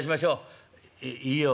「えいいよ